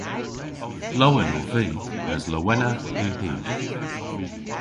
Lowen ov vy mes lowenna yw hi.